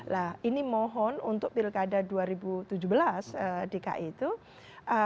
nah ini mohon untuk pilkada dua ribu tujuh belas dki itu